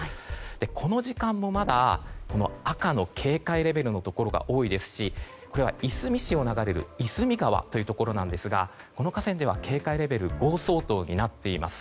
この時間もまだ赤の警戒レベルのところが多いですしこれはイスミ市を流れる川ですがこの河川では警戒レベル５相当になっています。